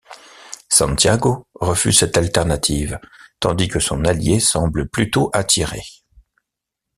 Santiago refuse cette alternative, tandis que son allié semble plutôt attiré.